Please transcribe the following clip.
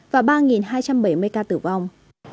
và ba hai trăm bảy mươi ca tử vong